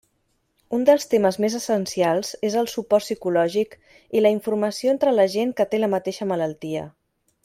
Un dels temes més essencials és el suport psicològic i la informació entre la gent que té la mateixa malaltia.